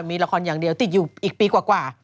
มีละครอย่างเดียวติดอยู่อีกปีกว่า